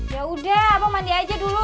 yaudah aku mandi aja dulu